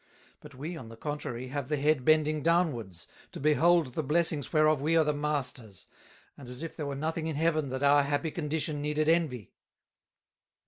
But we, on the contrary, have the Head bending downwards, to behold the Blessings whereof we are the Masters, and as if there were nothing in Heaven that our happy condition needed Envy."